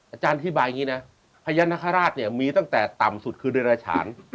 อาจารย์อธิบายอย่างนี้นะพญานาคาราชเนี่ยมีตั้งแต่ต่ำสุดคือเดราชาน